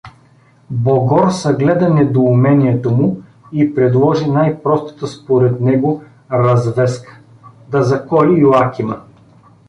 Богор съгледа недоумението му и предложи най-простата, според него, развезка: да заколи Иоакима.